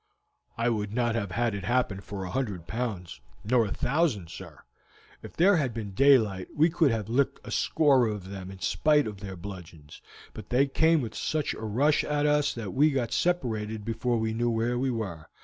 "I would not have had it happen for a hundred pounds, nor a thousand, sir. If there had been daylight we could have licked a score of them in spite of their bludgeons, but they came with such a rush at us that we got separated before we knew where we were.